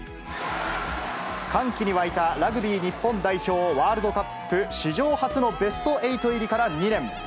歓喜に沸いたラグビー日本代表ワールドカップ史上初のベスト８入りから２年。